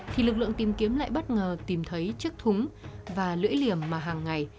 thì lực lượng tìm kiếm lại bất ngờ tìm thấy chiếc thúng và lưỡi liềm mà hàng ngày